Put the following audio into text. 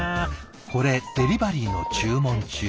これデリバリーの注文中。